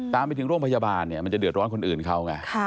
ตามไปถึงโรงพยาบาลเนี่ยมันจะเดือดร้อนคนอื่นเขาไง